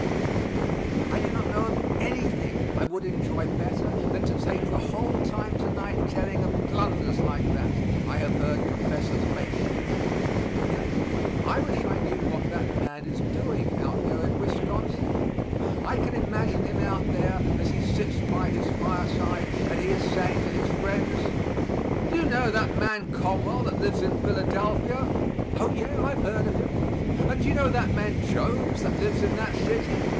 I do not know of anything I would enjoy better than to take the whole time to night telling of blunders like that I have heard professors make. Yet I wish I knew what that man is doing out there in Wisconsin. I can imagine him out there, as he sits by his fireside, and he is saying to his friends, "Do you know that man Conwell that lives in Philadelphia?" "Oh, yes, I have heard of him." "And do you know that man Jones that lives in that city?"